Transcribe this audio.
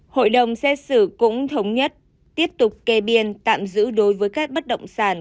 hội đồng xét xử cũng thống nhất tiếp tục kê biên tạm giữ đối với các bất động sản